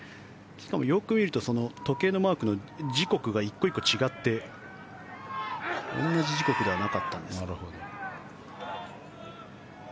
しかもよく見ると時計のマークの時刻が１個１個違って同じ時刻ではなかったんです。